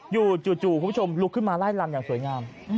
จู่คุณผู้ชมลุกขึ้นมาไล่ลำอย่างสวยงาม